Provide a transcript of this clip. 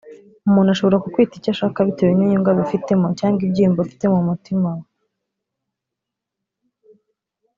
umuntu ashobora kukwita icyo ashaka bitewe n’inyungu abifitemo cyangwa ibyiyumvo afite mu mutima we